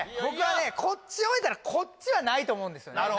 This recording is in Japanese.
僕はねこっち置いたらこっちはないと思うんですよね